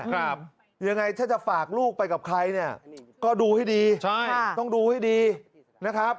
ครับยังไงถ้าจะฝากลูกไปกับใครเนี่ยก็ดูให้ดีใช่ต้องดูให้ดีนะครับ